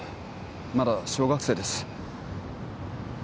まだ小学生です